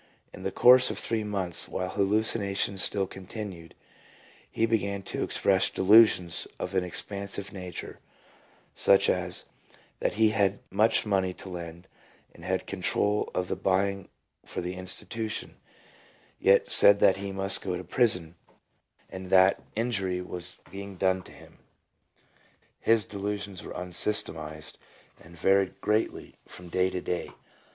In the course of three months, while hallucinations still continued, he began to express delusions of an expansive nature, such as, that he had much money to lend, and had control of the buying for the institution, yet said that he must go to prison, and that injury was being done to him. His delusions were unsystematized and varied greatly 268 PSYCHOLOGY OF ALCOHOLISM. from day to day.